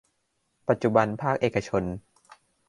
ปัจจุบันภาคเอกชน